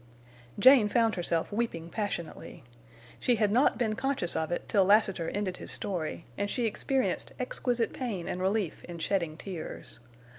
Jane found herself weeping passionately. She had not been conscious of it till Lassiter ended his story, and she experienced exquisite pain and relief in shedding tears.